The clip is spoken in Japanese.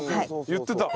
言ってた。